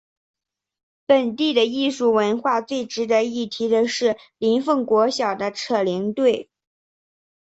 本地的艺术文化最值得一提的是林凤国小的扯铃队。